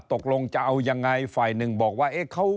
ตกลงจะเอายังไงฝ่ายหนึ่งบอกว่า